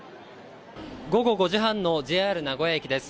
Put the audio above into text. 午後５時半のＪＲ名古屋駅です。